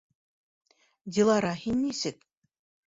Дилара, һин нисек?..